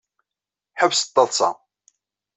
Ḥebset taḍṣa.